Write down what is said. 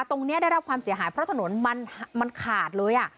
ตรงนี้ได้รับความเสียหายเพราะถนนมันขาดเลย